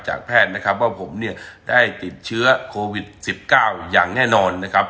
แพทย์นะครับว่าผมเนี่ยได้ติดเชื้อโควิด๑๙อย่างแน่นอนนะครับ